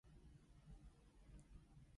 做個花生友